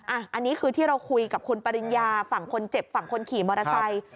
อันนี้คือที่เราคุยกับคุณปริญญาฝั่งคนเจ็บฝั่งคนขี่มอเตอร์ไซค์